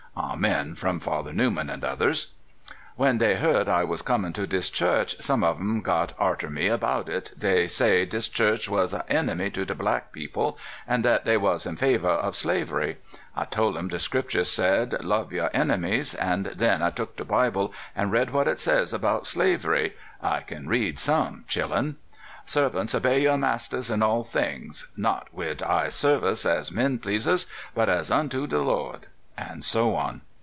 ["Amen! " from Father Newman and others.] When dey heerd I was comin' to dis Church, some uv 'em got arter me 'bout it. Dey say dis Church was a enemy to de black peo ple, and dat dey was in favor uv slavery. I tole 'em de Scripter said, 'Love your enemies,' an' den I took de Bible an' read what it says about slavery — I can read some, chillun —' Servants, obey yer masters in all things, not wid eye service, as men pleasers, but as unto de Lord; ' and soon.